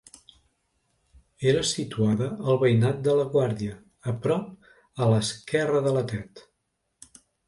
Era situada al veïnat de la Guàrdia, a prop a l'esquerra de la Tet.